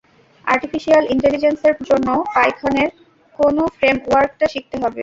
Artificial ইন্টেলিজেন্সের জন্য পাইথনের কোন ফ্রেমওয়ার্কটা শিখতে হবে?